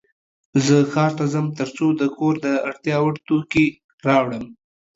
زه ښار ته ځم ترڅو د کور د اړتیا وړ توکې راوړم.